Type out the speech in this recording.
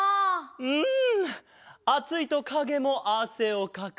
うんあついとかげもあせをかく。